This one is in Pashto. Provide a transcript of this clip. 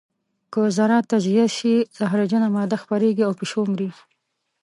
که ذره تجزیه شي زهرجنه ماده خپرېږي او پیشو مري.